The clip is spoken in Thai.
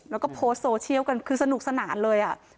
แล้วก็โพสต์โซเชียลกันคือสนุกสนานเลย